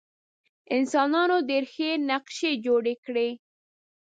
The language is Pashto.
انسانانو ډېرې ښې نقشې جوړې کړې.